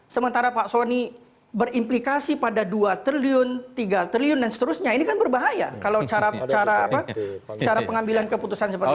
sementara pak soni berimplikasi pada dua triliun tiga triliun dan seterusnya ini kan berbahaya kalau cara pengambilan keputusan seperti itu